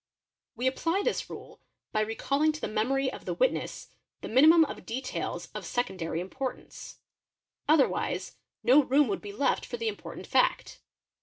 We apply this rule by recalling to the memory of the witness the minimum of details of — secondary importance; otherwise no room would be left for the important fact.